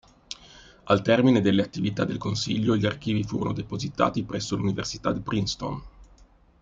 Al termine delle attività del Consiglio gli archivi furono depositati presso l'Università di Princeton.